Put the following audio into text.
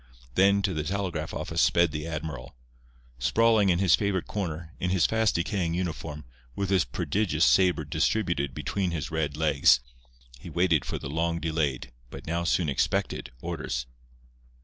Then to the telegraph office sped the admiral. Sprawling in his favourite corner, in his fast decaying uniform, with his prodigious sabre distributed between his red legs, he waited for the long delayed, but now soon expected, orders.